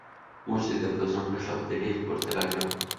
মসজিদে প্রচণ্ড শব্দে টিল পড়তে লাগল।